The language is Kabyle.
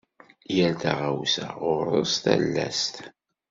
Yal taɣawsa ɣur-s talast.